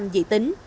tám chín dị tử